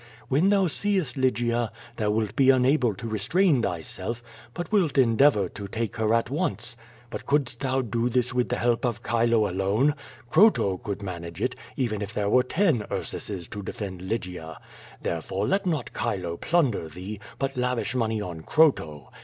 When thou seest Lygia thou wilt be unable to restrain thyself, but wilt endeavor to take her at once. But couldst thou do this with the help of Chilo alone? Croto could manage it, even if there were ten Ursuses to defend Lygia. Therefore, let not Chilo plunder thee, but lavish money on Croto.